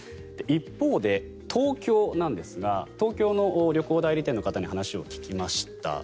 一方で、東京なんですが東京の旅行代理店の方に話を聞きました。